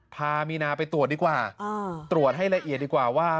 พามีนาไปตรวจดีกว่าตรวจให้ละเอียดดีกว่าว่า